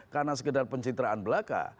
karena sekedar pencitraan belaka